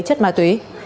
chất ma túy